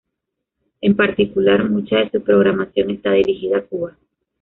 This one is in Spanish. En particular, mucha de su programación está dirigida a Cuba.